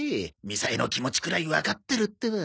みさえの気持ちくらいわかってるってば。